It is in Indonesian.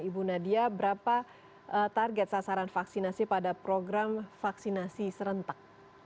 ibu nadia berapa target sasaran vaksinasi pada program vaksinasi serentak